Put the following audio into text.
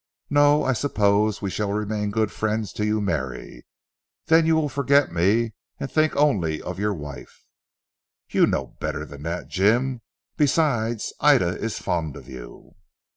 "No. I suppose we shall remain good friends till you marry. Then you will forget me, and think only of your wife." "You know better than that Jim. Besides Ida is fond of you."